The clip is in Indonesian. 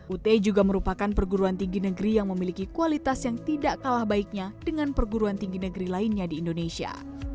ut juga merupakan perguruan tinggi negeri yang memiliki kualitas yang tidak kalah baiknya dengan perguruan tinggi negeri lainnya di indonesia